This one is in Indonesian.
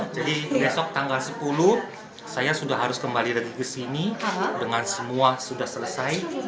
jadi besok tanggal sepuluh saya sudah harus kembali lagi ke sini dengan semua sudah selesai